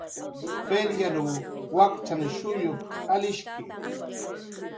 "P""iryanw wakchan shullup"" alishki"